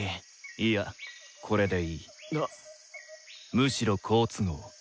むしろ好都合。